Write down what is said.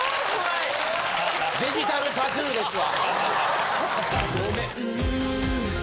デジタルタトゥーですわ。